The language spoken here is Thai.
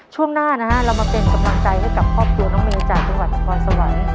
ช่วงหน้านะฮะเรามาเป็นกำลังใจให้กับครอบครัวน้องเมย์จากจังหวัดนครสวรรค์